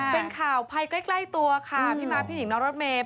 เป็นข่าวภัยใกล้ตัวค่ะพี่ม้าพี่หิงน้องรถเมย์